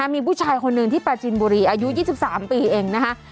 มีผู้ชายคนหนึ่งที่ปราจินบุรีอายุ๒๓ปีเองนะคะ